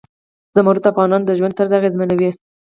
زمرد د افغانانو د ژوند طرز اغېزمنوي.